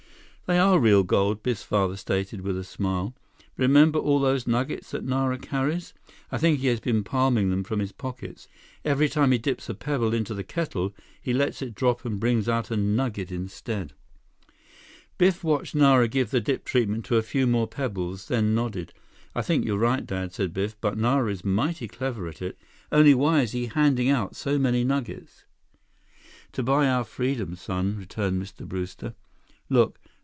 "They are real gold," Biff's father stated, with a smile. "Remember all those nuggets that Nara carries? I think he has been palming them from his pockets. Every time he dips a pebble into the kettle, he lets it drop and brings out a nugget instead." Biff watched Nara give the dip treatment to a few more pebbles, then nodded. "I think you're right, Dad," said Biff, "but Nara is mighty clever at it. Only why is he handing out so many nuggets?" "To buy our freedom, son," returned Mr. Brewster. "Look.